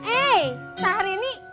eh si harini